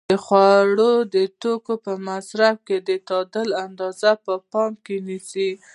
د خوړو د توکو په مصرف کې د تعادل اندازه په پام کې ونیسئ.